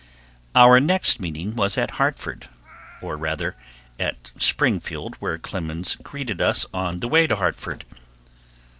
Our next meeting was at Hartford, or, rather, at Springfield, where Clemens greeted us on the way to Hartford.